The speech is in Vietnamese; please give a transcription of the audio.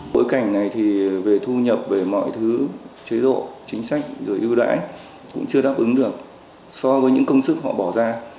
bối cảnh này thì về thu nhập về mọi thứ chế độ chính sách rồi ưu đãi cũng chưa đáp ứng được so với những công sức họ bỏ ra